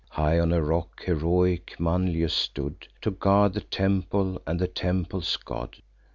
High on a rock heroic Manlius stood, To guard the temple, and the temple's god.